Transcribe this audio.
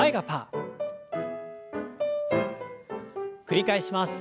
繰り返します。